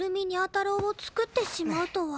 太郎を作ってしまうとは。